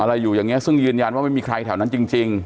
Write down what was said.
อะไรอยู่อย่างเงี้ซึ่งยืนยันว่าไม่มีใครแถวนั้นจริง